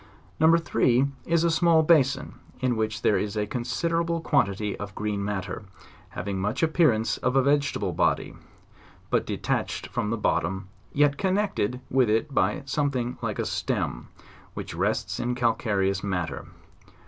No. 3 is a small basin, in which there is a consider able quantity of green matter, having much appearance of a vegetable body, but detached from the bottom, yet connected with it by something like a stem, which rests in calcareous matter.